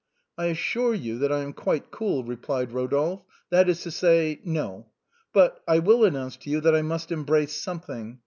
" I assure you that I am quite cool," replied Rodolphe. " That is to say, no. But I will announce to you that I must embrace something.